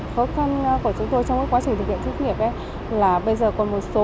phước thân của chúng tôi trong quá trình thực hiện doanh nghiệp là bây giờ còn một số